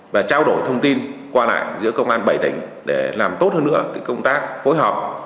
và trao đổi thông tin qua lại giữa công an bảy tỉnh để làm tốt hơn nữa công tác phối hợp